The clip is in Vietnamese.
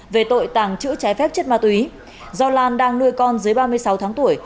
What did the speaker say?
về tội tàng trữ trái phép chất ma túy do lan đang nuôi con dưới ba mươi sáu tháng tuổi